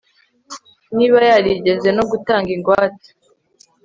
niba yarigeze no gutanga ingwate